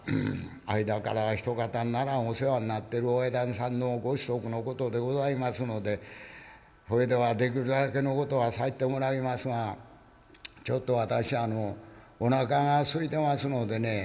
間から一方ならんお世話になってる親旦那さんのご子息のことでございますのでそれではできるだけのことはさせてもらいますがちょっと私おなかがすいてますのでね